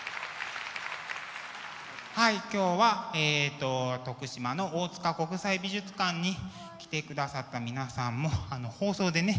はい今日は徳島の大塚国際美術館に来てくださった皆さんも放送でね